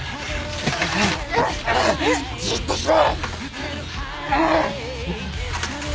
じっとしろ！